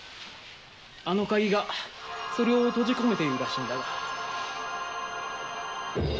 あの鍵がそれを閉じ込めているらしいんだが。